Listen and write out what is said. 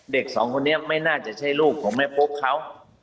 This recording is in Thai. เด็ก๒คนนี้ไม่น่าจะใช้ลูกผมไม่พบเขา